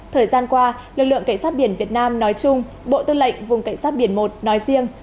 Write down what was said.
thời gian qua lực lượng cảnh sát biển việt nam nói chung bộ tư lệnh vùng cảnh sát biển một nói riêng